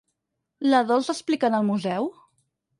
¿La Dols explicant el museu?